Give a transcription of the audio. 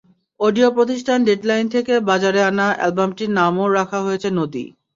Audio প্রতিষ্ঠান deadline থেকে বাজারে আনা অ্যালবামটির নামও রাখা হয়েছে নদী।